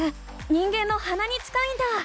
人間のはなに近いんだ！